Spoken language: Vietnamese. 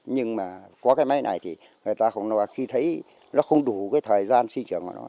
nhưng mà có cái máy này thì người ta không khi thấy nó không đủ cái thời gian sinh trưởng của nó